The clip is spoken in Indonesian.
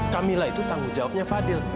camilla itu tanggung jawabnya fadil